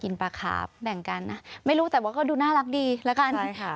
ปลาขาแบ่งกันนะไม่รู้แต่ว่าก็ดูน่ารักดีแล้วกันใช่ค่ะ